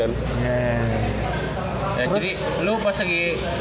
ya jadi lu pas lagi